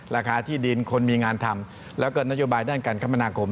ราคาที่ดินคนมีงานทำแล้วก็นโยบายด้านการคมนาคม